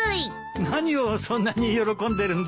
何をそんなに喜んでるんだい？